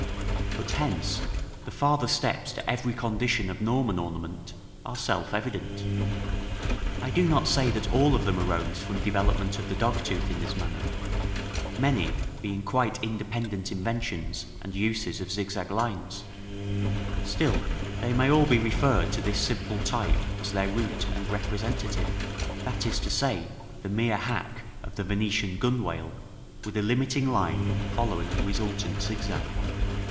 But hence the farther steps to every condition of Norman ornament are self evident. I do not say that all of them arose from development of the dogtooth in this manner, many being quite independent inventions and uses of zigzag lines; still, they may all be referred to this simple type as their root and representative, that is to say, the mere hack of the Venetian gunwale, with a limiting line following the resultant zigzag.